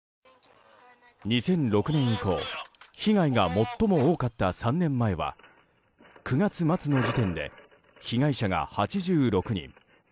２００６年以降被害が最も多かった３年前は９月末の時点で被害者が８６人。